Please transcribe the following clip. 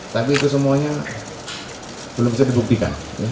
tapi itu semuanya belum bisa dibuktikan